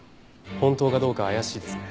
本当かどうか怪しいですね。